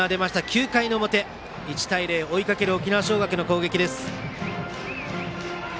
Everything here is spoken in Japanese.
９回の表１対０と追いかける沖縄尚学の攻撃。